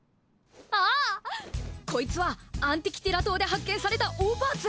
あぁ！こいつはアンティキティラ島で発見されたオーパーツ。